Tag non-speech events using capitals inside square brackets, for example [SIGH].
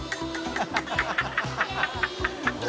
ハハハ [LAUGHS]